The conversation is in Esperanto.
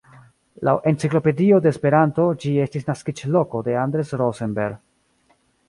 Laŭ Enciklopedio de Esperanto, ĝi estis naskiĝloko de Anders Rosenberg.